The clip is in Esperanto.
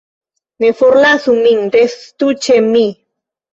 Ne forlasu min, restu ĉe mi!